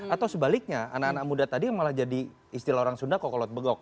atau sebaliknya anak anak muda tadi malah jadi istilah orang sunda kokolot begok